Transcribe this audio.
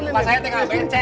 mas ceng tinggal becek